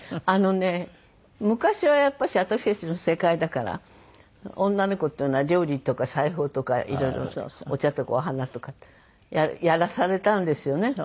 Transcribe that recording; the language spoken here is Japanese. あのね昔はやっぱし私たちの世代だから女の子っていうのは料理とか裁縫とかいろいろお茶とかお花とかってやらされたんですよね。